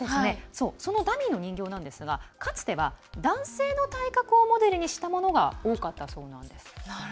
ダミーの人形なんですがかつては男性の体格をモデルにしたものが多かったそうなんです。